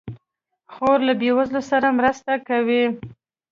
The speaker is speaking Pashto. خور له بېوزلو سره مرسته کوي.